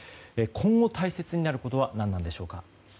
今後、大切になることは何なのでしょうか。